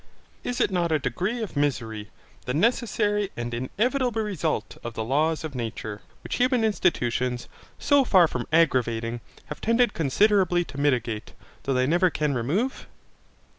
Is it not a degree of misery, the necessary and inevitable result of the laws of nature, which human institutions, so far from aggravating, have tended considerably to mitigate, though they never can remove?